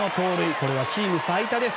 これはチーム最多です。